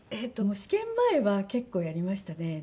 試験前は結構やりましたね。